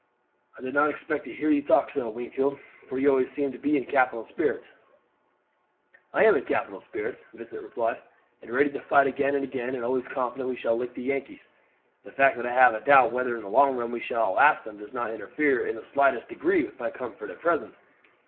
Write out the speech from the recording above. "I did not expect to hear you talk so, Wingfield, for you always seem to be in capital spirits." "I am in capital spirits," Vincent replied, "and ready to fight again and again, and always confident we shall lick the Yankees; the fact that I have a doubt whether in the long run we shall outlast them does not interfere in the slightest degree with my comfort at present.